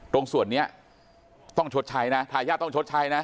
ตรงส่วนนี้ต้องชดใช้นะทายาทต้องชดใช้นะ